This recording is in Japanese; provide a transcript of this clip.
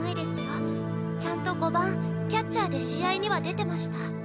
ちゃんと５番キャッチャーで試合には出てました。